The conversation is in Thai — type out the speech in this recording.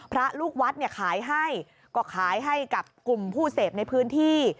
พระลูกวัดเนี่ยขายให้ก็ขายให้กับกลุ่มผู้เสพในพื้นที่